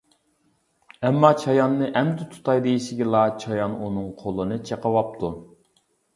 ئەمما چاياننى ئەمدى تۇتاي دېيىشىگىلا چايان ئۇنىڭ قولىنى چېقىۋاپتۇ.